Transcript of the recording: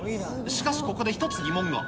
しかしここで一つ疑問が。